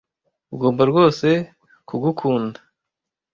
Ugomba rwose kugukunda.